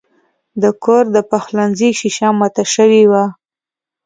د کور د پخلنځي شیشه مات شوې وه.